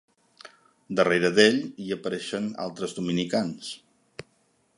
Darrere d"ell hi apareixen altres dominicans.